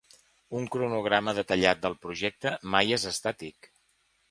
Un cronograma detallat del projecte mai és estàtic.